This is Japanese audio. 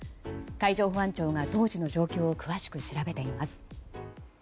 海上保安庁が当時の状況を詳しく調べています。